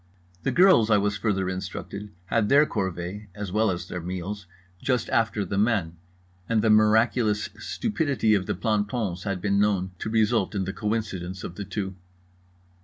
The girls, I was further instructed, had their corvée (as well as their meals) just after the men; and the miraculous stupidity of the plantons had been known to result in the coincidence of the two.